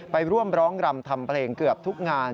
ไปร่วมร้องรำทำเพลงเกือบทุกงาน